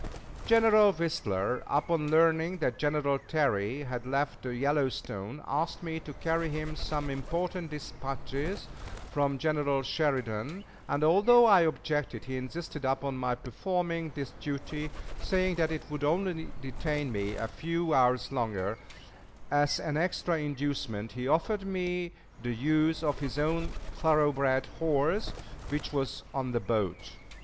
General Whistler, upon learning that General Terry had left the Yellowstone, asked me to carry to him some important dispatches from General Sheridan, and although I objected, he insisted upon my performing this duty, saying that it would only detain me a few hours longer; as an extra inducement he offered me the use of his own thoroughbred horse, which was on the boat.